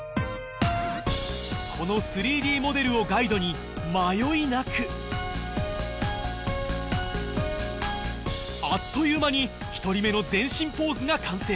この３Ｄモデルをガイドに迷いなくあっという間に１人目の全身ポーズが完成